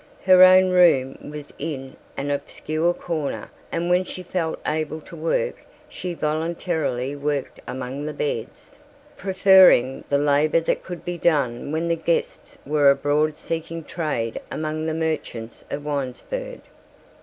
Her own room was in an obscure corner and when she felt able to work she voluntarily worked among the beds, preferring the labor that could be done when the guests were abroad seeking trade among the merchants of Winesburg.